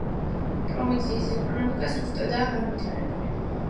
პროვინციის ეკონომიკა სუსტადაა განვითარებული.